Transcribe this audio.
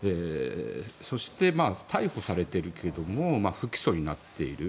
そして逮捕されているけれども不起訴になっている。